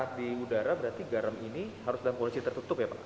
kalau di udara berarti garam ini harus dalam kondisi tertutup ya pak